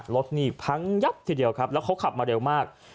รถนี่พังยับทีเดียวครับแล้วเขาขับมาเร็วมาก